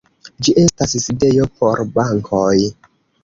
Ĝi estas sidejo por bankoj.